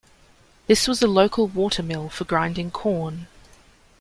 This was the local water mill for grinding corn.